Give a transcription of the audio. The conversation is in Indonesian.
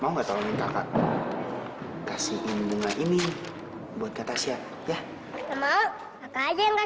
mau nggak tau nih kakak kasihin bunga ini buat kakak ya mau aja nggak sendiri ini kan